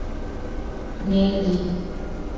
Ne li.